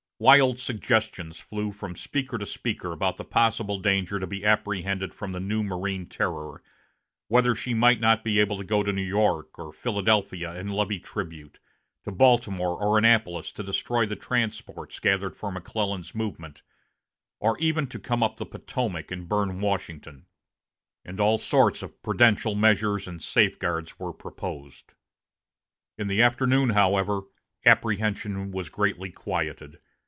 Wild suggestions flew from speaker to speaker about possible danger to be apprehended from the new marine terror whether she might not be able to go to New York or Philadelphia and levy tribute, to Baltimore or Annapolis to destroy the transports gathered for McClellan's movement, or even to come up the Potomac and burn Washington; and all sorts of prudential measures and safeguards were proposed. In the afternoon, however, apprehension was greatly quieted.